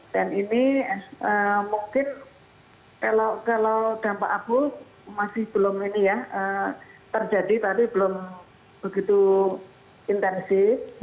dan ini mungkin kalau dampak abu masih belum ini ya terjadi tapi belum begitu intensif